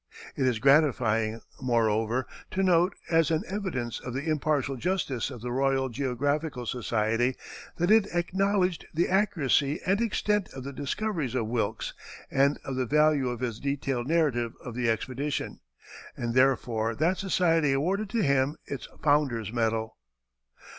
It is gratifying, moreover, to note as an evidence of the impartial justice of the Royal Geographical Society, that it acknowledged the accuracy and extent of the discoveries of Wilkes and of the value of his detailed narrative of the expedition, and therefor that society awarded to him its founders' medal.